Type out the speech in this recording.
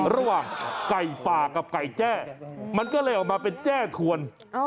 ระหว่างไก่ป่ากับไก่แจ้มันก็เลยออกมาเป็นแจ้ถวน